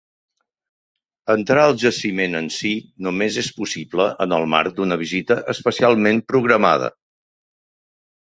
Entrar al jaciment en si només és possible en el marc d'una visita especialment programada.